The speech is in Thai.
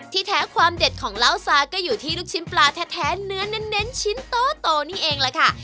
แท้ความเด็ดของเหล้าซาก็อยู่ที่ลูกชิ้นปลาแท้เนื้อเน้นชิ้นโตนี่เองล่ะค่ะ